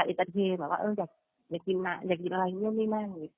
อินสัตเทมาว่าเอออยากอยากกินมาอยากกินอะไรเงียบนี่แม่ง